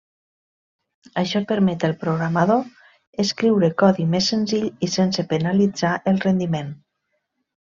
Això permet al programador escriure codi més senzill i sense penalitzar el rendiment.